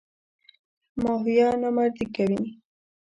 ماهویه نامردي کوي.